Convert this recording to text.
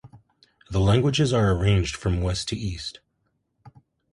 The languages are arranged from west to east.